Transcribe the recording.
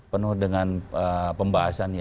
penuh dengan pembahasan